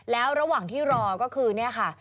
แล้วระหว่างที่รอก็คือเนี่ยค่ะ